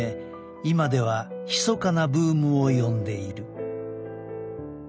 今ではひそかなブームを呼んでいる。